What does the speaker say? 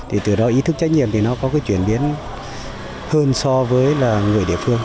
thì từ đó ý thức trách nhiệm thì nó có cái chuyển biến hơn so với là người địa phương